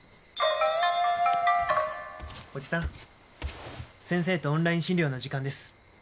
おじさん先生とオンライン診療の時間です。